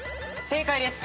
正解です。